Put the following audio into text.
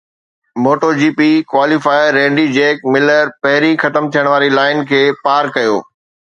MotoGP qualifier Randy Jack Miller پهرين ختم ٿيڻ واري لائن کي پار ڪيو